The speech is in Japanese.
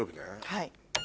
はい。